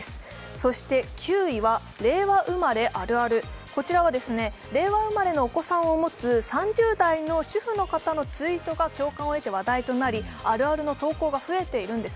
そして９位は令和生まれあるある、こちらは令和生まれのお子さんを持つ３０代の主婦の方のツイートが共感を得て話題となり、あるあるの投稿が増えているんです。